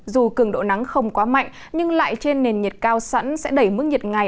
dù cường độ nắng không quá mạnh nhưng lại trên nền nhiệt cao sẵn sẽ đẩy mức nhiệt ngày